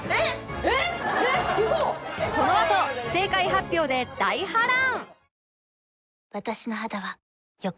このあと正解発表で大波乱！